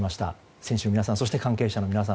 選手の皆さんそして関係者の皆さん